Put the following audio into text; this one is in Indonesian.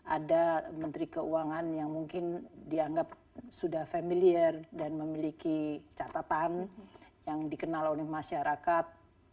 ada menteri keuangan yang mungkin dianggap sudah familiar dan memiliki catatan yang dikenal oleh masyarakat